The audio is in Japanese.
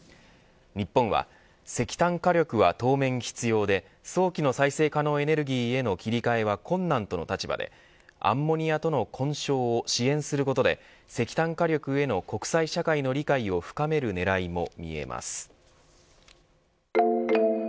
日本は石炭火力は当面必要で早期の再生可能エネルギーへの切り替えは困難との立場でアンモニアとの混焼を支援することで石炭火力への国際社会の理解を深める狙いも見えます。